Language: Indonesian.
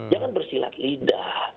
jangan bersilat lidah